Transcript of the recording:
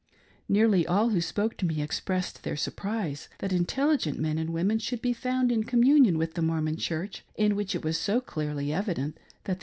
Nearly all who spoke to me expressed their surprise that intelligent men and women should be found in communion with the Mormon Church, in which it was so clearly evident that the